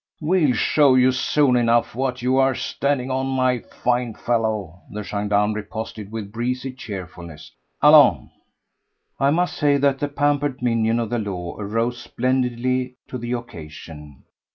"We'll show you soon enough what you are standing on, my fine fellow," the gendarme riposted with breezy, cheerfulness. "Allons!" I must say that the pampered minion of the law arose splendidly to the occasion.